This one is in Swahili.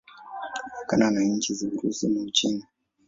Imepakana na nchi za Urusi na Uchina.